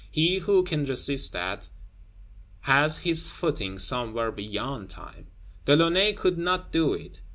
He who can resist that, has his footing somewhere beyond Time. De Launay could not do it.